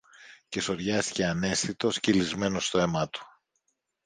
Και σωριάστηκε αναίσθητος, κυλισμένος στο αίμα του.